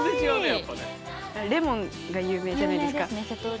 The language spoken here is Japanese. レモンが有名じゃないですか。